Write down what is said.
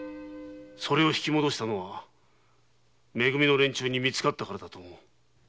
それを引き戻したのは「め組」の連中に見つかったからだと思う。